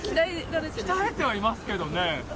鍛えてはいますけどね。